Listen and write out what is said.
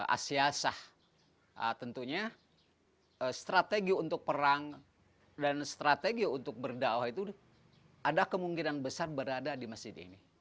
asyasah tentunya strategi untuk perang dan strategi untuk berdakwah itu ada kemungkinan besar berada di masjid ini